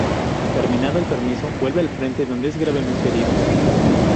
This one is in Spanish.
Terminado el permiso vuelve al frente, donde es gravemente herido.